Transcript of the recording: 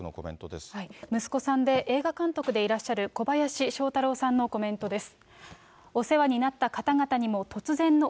息子さんで映画監督でいらっしゃる、小林聖太郎さんのコメントです。